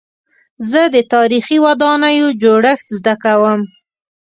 زه د تاریخي ودانیو جوړښت زده کوم.